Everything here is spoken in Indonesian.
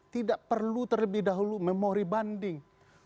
tidak perlu terlebih dahulu memori banding